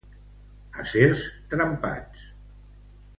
Acers trempats